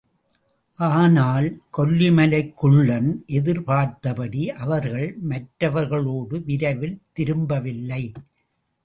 ஆனால், கொல்லிமலைக் குள்ளன் எதிர்பார்த்தபடி அவர்கள் மற்றவர்களோடு விரைவில் திரும்பவில்லை.